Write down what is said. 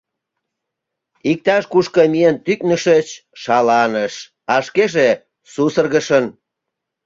Иктаж-кушко миен тӱкнышыч — шаланыш, а шкеже сусыргышын.